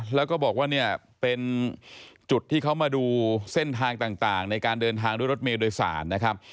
แล้วก็บอกว่าเนี่ยเป็นจุดที่เขามาดูเส้นทางต่างในการเดินทางด้วยรถเมย์โดยสารนะครับ